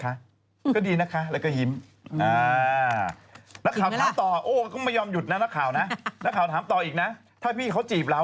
คะก็ดีนะคะแล้วก็หิมนักข่าวถามต่ออีกนะถ้าพี่เขาจีบเรา